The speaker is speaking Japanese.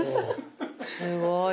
すごいね。